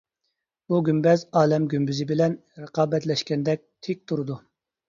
بۇ گۈمبەز ئالەم گۈمبىزى بىلەن رىقابەتلەشكەندەك تىك تۇرىدۇ.